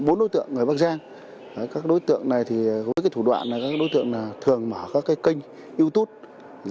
bốn đối tượng ở bắc giang các đối tượng này với thủ đoạn này các đối tượng thường mở các kênh youtube